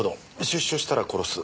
「出所したら殺す」